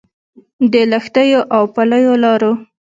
د لښتيو او پلیو لارو